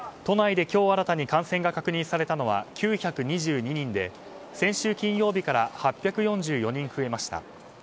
都内で今日新たに感染が確認されたのは９２２人で先週金曜日から８４４人増えました。